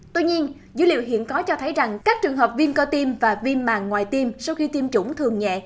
tuy nhiên dữ liệu hiện có cho thấy rằng các trường hợp viêm cơ tim và viêm màng ngoài tiêm sau khi tiêm chủng thường nhẹ